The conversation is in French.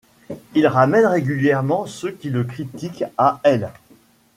Il ramène régulièrement ceux qui le critiquent à l'.